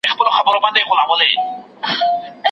ما د خټو د خدایانو محرابونه نړولي